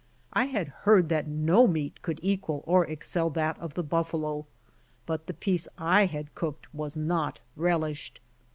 I had heard that no meat could equal or excel that of the buffalo, but the piece I had cooked was not relished.